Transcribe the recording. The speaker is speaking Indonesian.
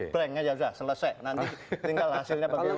brand aja sudah selesai nanti tinggal hasilnya bagaimana